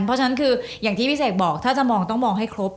เพราะฉะนั้นคืออย่างที่พี่เสกบอกถ้าจะมองต้องมองให้ครบ